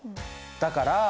だから。